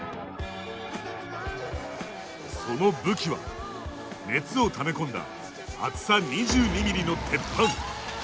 その武器は熱をため込んだ厚さ２２ミリの鉄板。